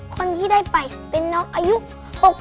คนที่ได้ไปเป็นน้องอายุ๖๐